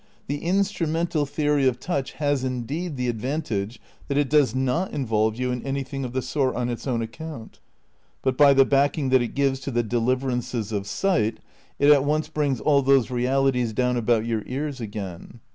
The instrumental theory of touch has, indeed, the advantage that it does not involve you in anything of the sort on its own account ; but by the backing that it gives to the deliverances of sight it at once brings all those realities down about your ears again.